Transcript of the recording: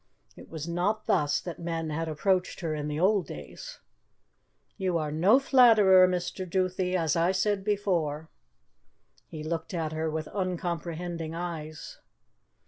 It was not thus that men had approached her in the old days. "You are no flatterer, Mr. Duthie, as I said before." He looked at her with uncomprehending eyes.